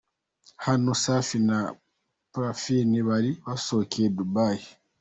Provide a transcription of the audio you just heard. Hano Safi na Parfine bari basohokeye Dubai.